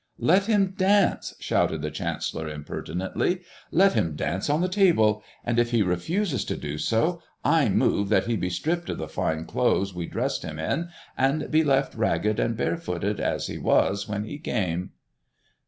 "Let him dance!" shouted the chancellor, impertinently; "let him dance on the table! and if he refuse to do so, I move that he be stripped of the fine clothes we dressed him in, and be left ragged and barefooted as he was when he came."